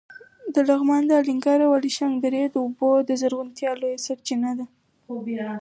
د لغمان د الینګار او الیشنګ درې د اوبو او زرغونتیا لویه سرچینه ده.